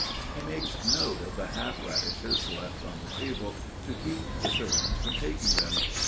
He makes note of the half radishes left on the table, to keep the servants from taking them.